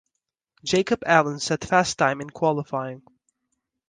Jacob Allen set fast time in qualifying.